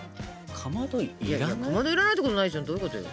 かまど要らないってことないでしょどういうことよ。